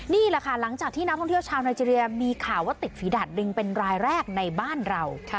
นี่แหละค่ะหลังจากที่นักท่องเที่ยวชาวไนเจรียมีข่าวว่าติดฝีดาดลิงเป็นรายแรกในบ้านเรา